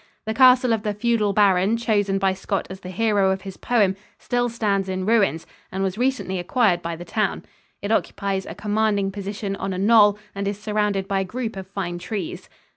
The castle of the feudal baron chosen by Scott as the hero of his poem still stands in ruins, and was recently acquired by the town. It occupies a commanding position on a knoll and is surrounded by a group of fine trees.